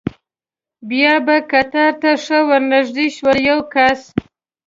بیا به قطار ته ښه ور نږدې شول، د یو کس.